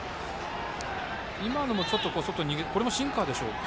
今のもシンカーでしょうか。